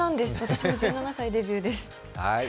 私も１７歳デビューです。